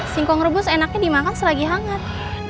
singkong rebus enaknya dimakan selagi hangat